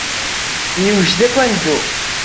Newjed akken ad neddu.